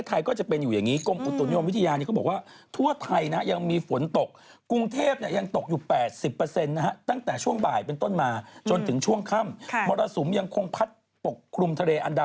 ท่านผู้ชมครับหลายคนว่าวันนี้ทั้งวันจะได้เห็นแดดกันบ้างอย่างกรุงเทพฯมา